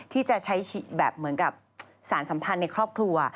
ที่จะใช้แบบเหมือนกับสารสัมพันธ์ในครอบครัว